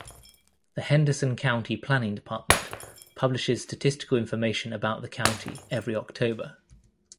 The Henderson County Planning Department publishes statistical information about the county every October.